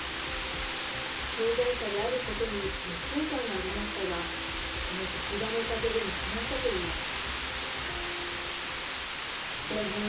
障害者であることに劣等感がありましたがこの職場のおかげでなくなったといいます。